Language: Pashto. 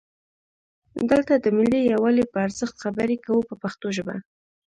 دلته د ملي یووالي په ارزښت خبرې کوو په پښتو ژبه.